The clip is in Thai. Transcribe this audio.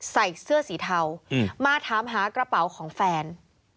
ใส่เสื้อสีเทามาถามหากระเป๋าของแฟน